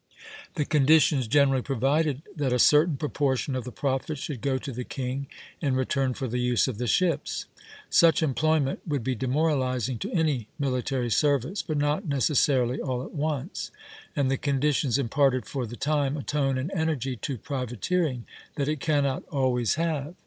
The conditions generally provided that a certain proportion of the profits should go to the king, in return for the use of the ships. Such employment would be demoralizing to any military service, but not necessarily all at once; and the conditions imparted for the time a tone and energy to privateering that it cannot always have.